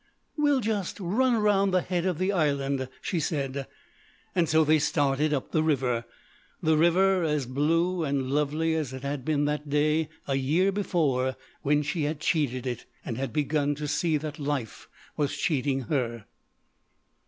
"We'll just run round the head of the Island," she said. So they started up the river the river as blue and lovely as it had been that day a year before when she had cheated it, and had begun to see that life was cheating her.